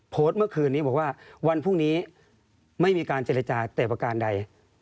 โพสต์เมื่อคืนนี้บอกว่าวันพรุ่งนี้ไม่มีการเจรจาแต่ประการใด